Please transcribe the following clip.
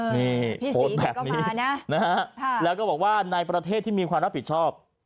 นี่โพสต์แบบนี้นะฮะแล้วก็บอกว่าในประเทศที่มีความรับผิดชอบ